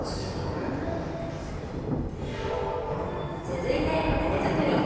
続いてタレ作り。